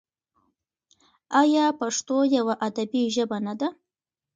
آیا پښتو یوه ادبي ژبه نه ده؟